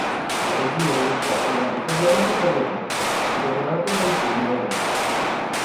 La regina indossò un abito bianco per l'evento, adornato da alcuni merletti.